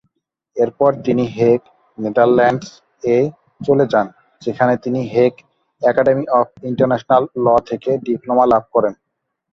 এর পরে তিনি হেগ, নেদারল্যান্ডস-এ চলে যান যেখানে তিনি Hague academy of international law থেকে ডিপ্লোমা লাভ করেন।